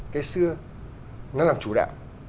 cái xưa nó làm chủ đạo